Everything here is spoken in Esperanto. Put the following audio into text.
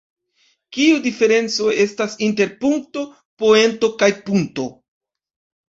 Kiu diferenco estas inter punkto, poento kaj punto?